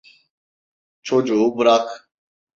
Çocuğu bırak.